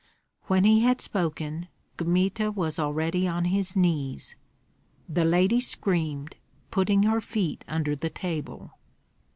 When he had spoken, Kmita was already on his knees. The lady screamed, putting her feet under the table.